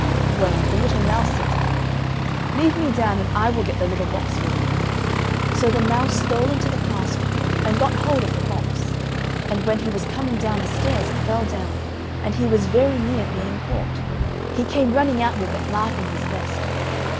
Well, the little mouse said to them: "Leave me down, and I will get the little box for you." So the mouse stole into the castle, and got hold of the box; and when he was coming down the stairs, it fell down, and he was very near being caught. He came running out with it, laughing his best.